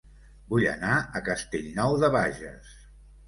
Vull anar a Castellnou de Bages